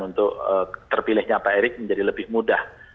untuk terpilihnya pak erick menjadi lebih mudah